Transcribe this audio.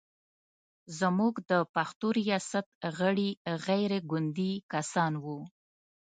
زموږ د پښتو ریاست غړي غیر ګوندي کسان و.